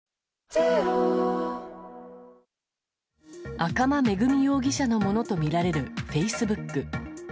赤間恵美容疑者のものとみられるフェイスブック。